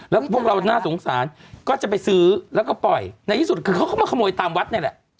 แล้วพวกเราน่าสงสารก็จะไปซื้อแล้วก็ปล่อยในที่สุดคือเขาก็มาขโมยตามวัดนี่แหละ